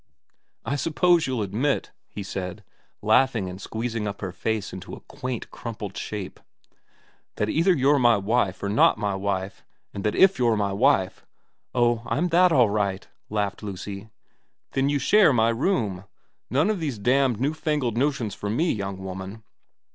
4 1 suppose you'll admit,' he said, laughing and squeezing up her face into a quaint crumpled shape, 4 that either you're my wife or not my wife, and that if you're my wife ' 4 Oh, I'm that all right,' laughed Lucy. 4 Then you share my room. None of these damned new fangled notions for me, young woman.'